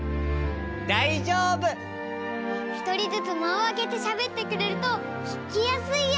ひとりずつまをあけてしゃべってくれるとききやすいよ！